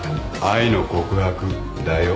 愛の告白だよ。